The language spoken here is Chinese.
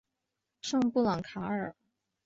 圣布朗卡尔。